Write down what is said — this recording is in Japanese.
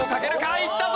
いったぞ！